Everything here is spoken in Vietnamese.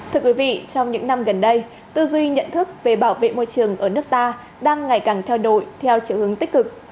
thưa quý vị trong những năm gần đây tư duy nhận thức về bảo vệ môi trường ở nước ta đang ngày càng theo đuổi theo triệu hướng tích cực